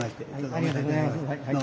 ありがとうございます。